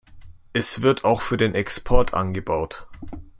Es wird auch für den Export angebaut.